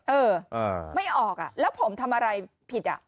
เออไม่ออกอ่ะแล้วผมทำอะไรผิดอ่ะ